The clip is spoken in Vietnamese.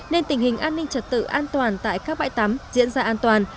nên tình hình an ninh trật tự an toàn tại các bãi tắm diễn ra an toàn